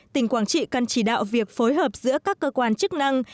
tỉnh quảng trị cần chỉ đạo việc phối hợp giữa các cơ quan chức năng